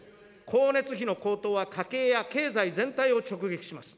光熱費の高騰は、家計や経済全体を直撃します。